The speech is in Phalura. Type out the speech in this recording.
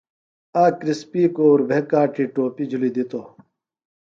آک کرِسپیکوۡ اُربھے کاڇی ٹوپیۡ جُھلیۡ دِتوۡ۔